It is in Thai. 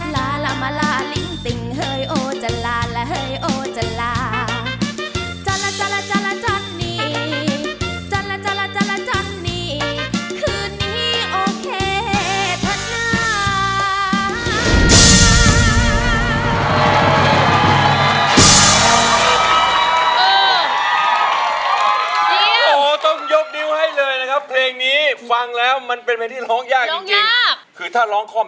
ลาลามาลาลิ้งติ่งเฮ้ยโอจัลลาลาเฮ้ยโอจัลลา